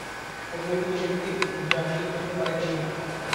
অবিবাহিত ব্যক্তি যাজ্ঞিক হইতে পারিতেন না।